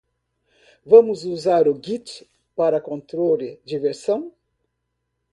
Vamos usar o Git para controle de versão.